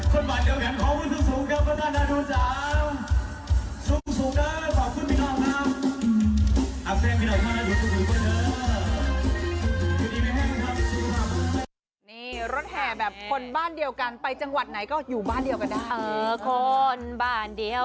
นี่รถแห่แบบคนบ้านเดียวกันไปจังหวัดไหนก็อยู่บ้านเดียวกันได้